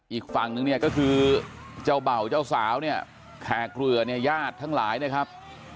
อีกฝั่งนึงเนี่ยก็คือเจ้าเบ่าเจ้าสาวเนี่ยแขกเรือเนี่ยญาติทั้งหลายนะครับ